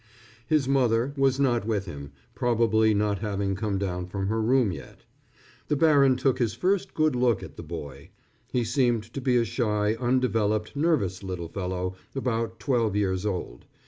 His mother was not with him, probably not having come down from her room yet. The baron took his first good look at the boy. He seemed to be a shy, undeveloped, nervous little fellow, about twelve years old.